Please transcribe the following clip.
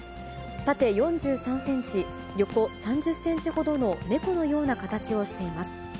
縦４３センチ、横３０センチほどの猫のような形をしています。